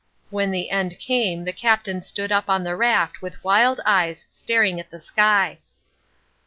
When the end came the Captain stood up on the raft with wild eyes staring at the sky.